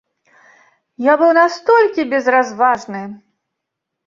Я быў настолькі безразважны!